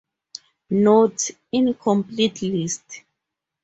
Note - Incomplete list.